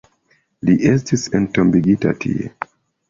Li estis entombigita tie.